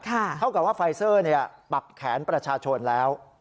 เท่ากับว่าไฟเซอร์ปักแขนประชาชนแล้ว